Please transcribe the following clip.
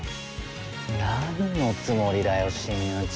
何のつもりだよ新内。